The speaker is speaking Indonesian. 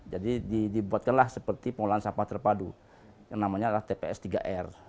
jadi dibuatkanlah seperti pengelolaan sampah terpadu yang namanya tps tiga r